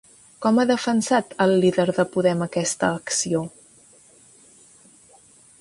Com ha defensat el líder de Podem aquesta acció?